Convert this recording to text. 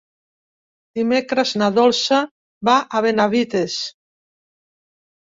Dimecres na Dolça va a Benavites.